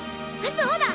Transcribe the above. そうだ！